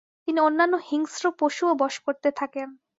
তিনি অন্যান্য হিংস্র পশুও বশ করতে থাকেন।